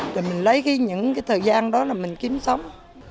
rồi mình lấy những cái thời gian đó là mình kiếm sống